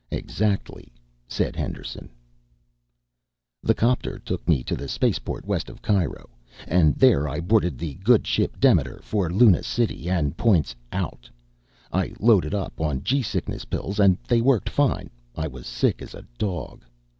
"Exactly," said Henderson. The copter took me to the spaceport west of Cairo, and there I boarded the good ship Demeter for Luna City and points Out. I loaded up on g sickness pills and they worked fine. I was sick as a dog.